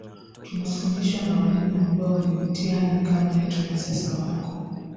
tunafundishwa na walimu ambao walipitia hali kama yetu na sasa wako